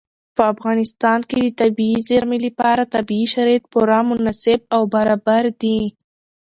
په افغانستان کې د طبیعي زیرمې لپاره طبیعي شرایط پوره مناسب او برابر دي.